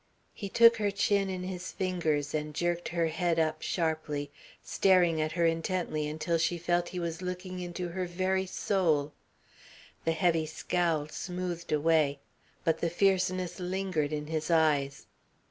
He took her chin in his fingers and jerked her head up sharply, staring at her intently until she felt he was looking into her very soul. The heavy scowl smoothed away but the fierceness lingered in his eyes.